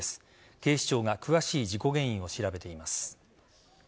警視庁が詳しい事故原因を調べています。